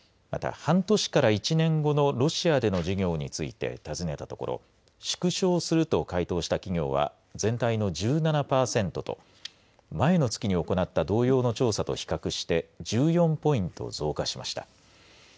また半年から１年後のロシアでの事業について尋ねたところ縮小すると回答した企業は全体の１７パーセントと前の月に行った同様の調査と比較して１４ポイント増加しました。